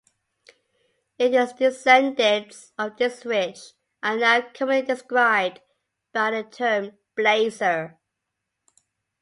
It is descendants of this which are now commonly described by the term "blazer".